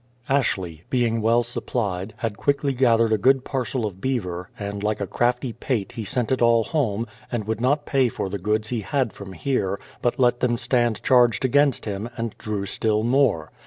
Ashley, being well supplied, had quickly gathered a good parcel of beaver, and like a crafty pate he sent it all home, and would not pay for the goods he had from here, but let them stand charged against him, and drew still more.